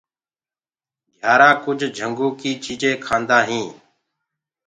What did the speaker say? گھيآرآ ڪُج جھِنگو ڪي چيجينٚ کآن۔